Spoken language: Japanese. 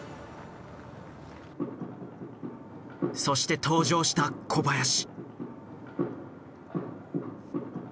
そして登場した小林。